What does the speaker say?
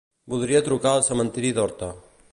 Voldria trucar al cementiri d'Horta.